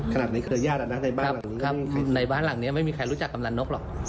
ขนาดนี้ในบ้านหลังนี้ไม่มีใครรู้จักกับนานนกหรอก